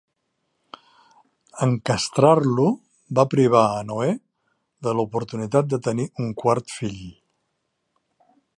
En castrar-lo va privar a Noè de l'oportunitat de tenir un quart fill.